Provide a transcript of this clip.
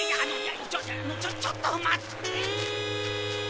ちょちょっと待って。